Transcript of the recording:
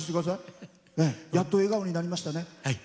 やっと笑顔になりましたね。